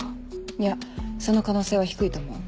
いやその可能性は低いと思う。